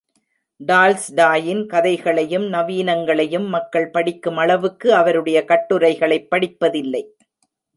டால்ஸ்டாயின் கதைகளையும் நவீனங்களையும் மக்கள் படிக்கும் அளவுக்கு அவருடைய கட்டுரைகளைப் படிப்பதில்லை.